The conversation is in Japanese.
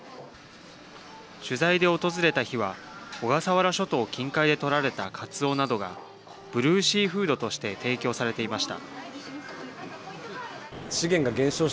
取材で訪れた日は小笠原諸島近海で取られたかつおなどがブルーシーフードとして提供されていました。